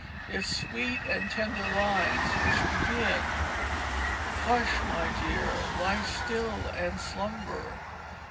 Its sweet and tender lines, which begin "Hush my dear, lie still and slumber.